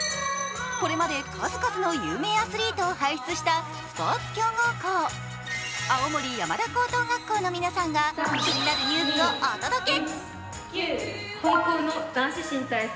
これまで数々の有名アスリートを輩出したスポーツ強豪校青森山田高等学校の皆さんが気になるニュースをお届け。